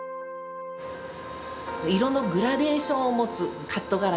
色のグラデーションを持つカットガラス